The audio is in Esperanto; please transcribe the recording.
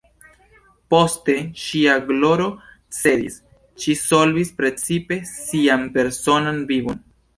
Poste ŝia gloro cedis, ŝi solvis precipe sian personan vivon.